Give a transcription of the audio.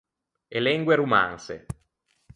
E lengue romanse.